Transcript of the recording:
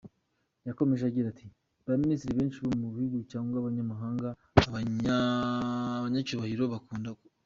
Yakomeje agira ati “Ba minisitiri benshi bo mu gihugu cyangwa abanyamahanga, abanyacyubahiro bakunda kutugana.